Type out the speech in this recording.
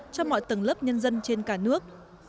trong mọi tầng lớp nhân dân trên cả nước